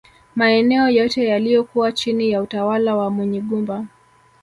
Maeneo yote yaliyokuwa chini ya utawala wa Munyigumba